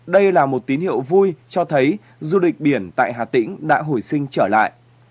đây là một tín hiệu vui cho thấy du lịch biển tại hà tĩnh đã hồi sinh trở lại